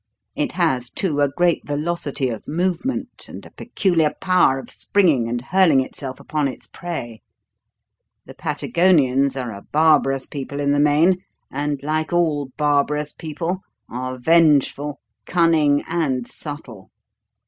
It has, too, a great velocity of movement and a peculiar power of springing and hurling itself upon its prey. The Patagonians are a barbarous people in the main and, like all barbarous people, are vengeful, cunning, and subtle.